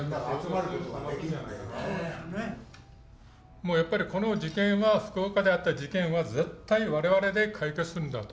もうやっぱりこの事件は福岡であった事件は絶対我々で解決するんだと。